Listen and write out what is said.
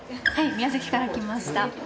宮崎から来ました。